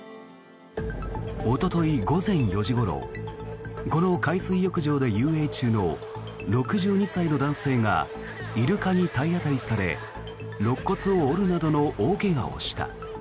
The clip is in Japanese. おととい午前４時ごろこの海水浴場で遊泳中の６２歳の男性がイルカに体当たりされろっ骨を折るなどの大怪我をした。